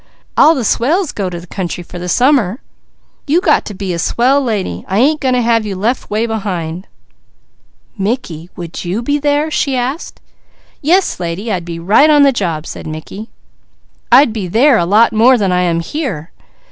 All the swells go away to the country for the summer, you got to be a swell lady! I ain't going to have you left way behind!" "Mickey, would you be there?" she asked. "Yes lady, I'd be right on the job!" said Mickey. "I'd be there a lot more than I am here.